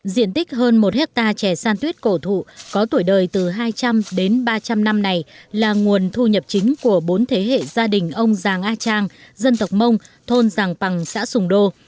diện tích hơn một hectare trẻ san tuyết cổ thụ có tuổi đời từ hai trăm linh đến ba trăm linh năm này là nguồn thu nhập chính của bốn thế hệ gia đình ông giàng a trang dân tộc mông thôn giàng bằng xã sùng đô